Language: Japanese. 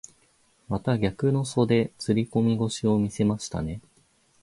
また逆の袖釣り込み腰を見せましたね。